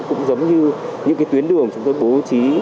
cũng giống như những cái tuyến đường chúng tôi bố trí